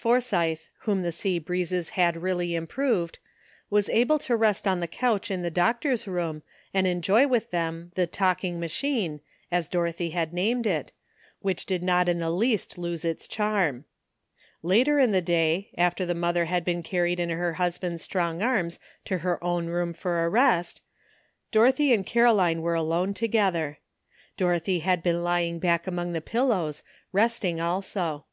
Forsythe, whom the sea breezes had really improved, was able to rest on the couch in the doctor's room and en joy with them the ''talking machine," as Doro thy had named it, which did not in the least lose its charm. Later in the day, after the mother had been carried in her husband's strong arms to her own room for a rest, Dorothy and Caroline were alone together. Dorothy had be«n lying back among the pillows, resting also.